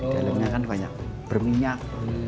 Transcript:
dalamnya kan banyak berminyak